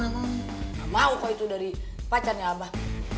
enggak mau kau itu dari pacarnya abah